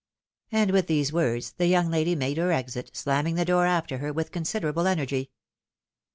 And with these words the young lady made her exit, slamming the door after her with considerable energy.